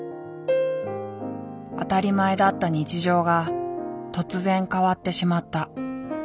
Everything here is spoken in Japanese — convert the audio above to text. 当たり前だった日常が突然変わってしまった今年の夏。